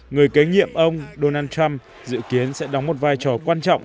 người kế nhiệm ông donald trump dự kiến sẽ đóng một vai trò quan trọng